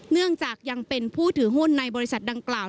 เนื่องจากยังเป็นผู้ถือหุ้นในบริษัทดังกล่าว